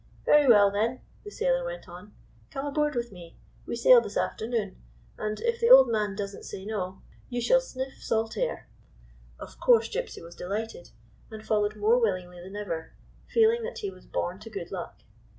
" Very well, then," the sailor went on. " Come aboard with me. We sail this after noon, and, if the old man does n't say no, you shall sniff salt air." Of course, Gypsy was delighted, and followed more willingly than ever, feeling that he was born to good luck.